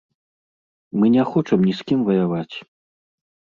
Мы не хочам ні з кім ваяваць.